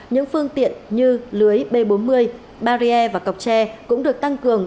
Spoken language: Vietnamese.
những phương tiện như lưới b bốn mươi barrier và cọc tre cũng được tăng cường